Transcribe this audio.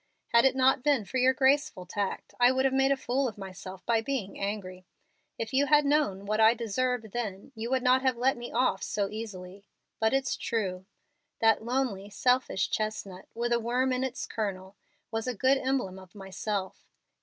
Had it not been for your graceful tact, I should have made a fool of myself by being angry. If you had known what I deserved then you would not have let me off so easily. But it's true. That lonely, selfish chestnut, with a worm in its kernel, was a good emblem of myself.